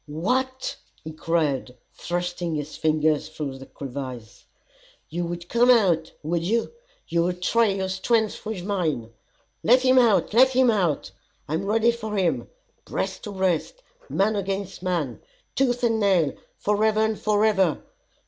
"What!" he cried, thrusting his fingers through the crevice, "you would come out, would you, you would try your strength with mine. Let him out, let him out! I am ready for him, breast to breast, man against man, tooth and nail, forever and forever.